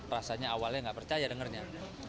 rasanya awalnya nggak percaya dengernya